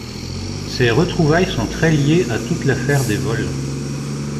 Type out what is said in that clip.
Ces retrouvailles sont très liées à toute l'affaire des vols.